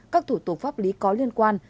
các thủ tục pháp lý có liên quan